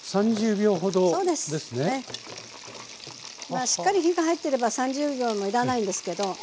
まあしっかり火が入ってれば３０秒もいらないんですけど。